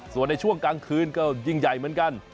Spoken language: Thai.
ส่วนในช่วงกลางคืนก็ยิ่งใหญ่เหมือนกัน